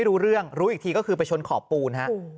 รู้อีกทีก็คือไปชนขอบปูน